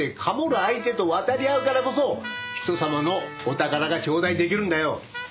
相手と渡り合うからこそ人様のお宝がちょうだい出来るんだよ。